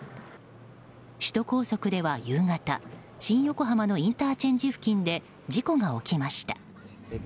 首都高速では夕方新横浜のインターチェンジ付近で事故が起きました。